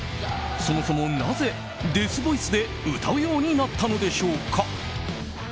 そもそもなぜ、デスボイスで歌うようになったのでしょうか。